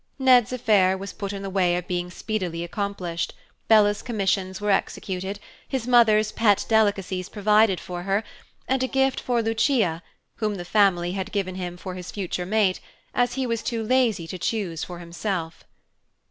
Ned's affair was put in the way of being speedily accomplished, Bella's commissions were executed, his mother's pet delicacies provided for her, and a gift for Lucia, whom the family had given him for his future mate, as he was too lazy to choose for himself.